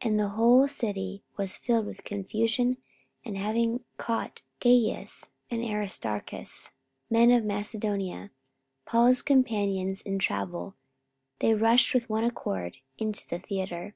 44:019:029 And the whole city was filled with confusion: and having caught Gaius and Aristarchus, men of Macedonia, Paul's companions in travel, they rushed with one accord into the theatre.